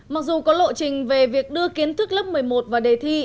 mặc dù có lộ trình về việc đưa kiến thức lớp một mươi một vào đề thi